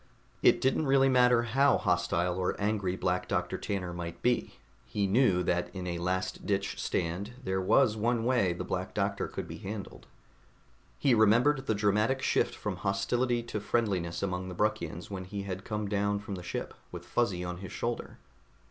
It didn't really matter how hostile or angry Black Doctor Tanner might be; he knew that in a last ditch stand there was one way the Black Doctor could be handled. He remembered the dramatic shift from hostility to friendliness among the Bruckians when he had come down from the ship with Fuzzy on his shoulder.